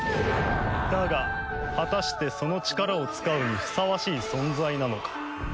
だが果たしてその力を使うにふさわしい存在なのか。